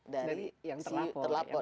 dari si terlapor